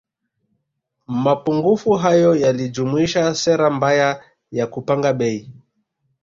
Mapungufu hayo yalijumuisha sera mbaya ya kupanga bei